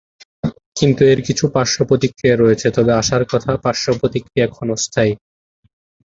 কিন্তু এর কিছু পার্শ্বপ্রতিক্রিয়া রয়েছে, তবে আশার কথা পার্শ্বপ্রতিক্রিয়া ক্ষণস্থায়ী।